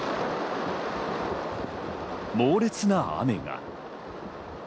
猛烈な雨が。